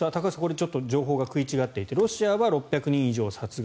ちょっと情報が食い違っていてロシアは６００人以上殺害